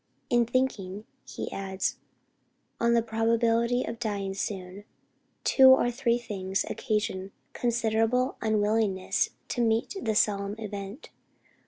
"In thinking," he adds, "on the probability of dying soon, two or three things occasion considerable unwillingness to meet the solemn event.